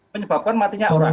menyebabkan matinya orang